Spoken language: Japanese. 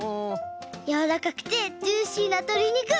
やわらかくてジューシーなとりにく！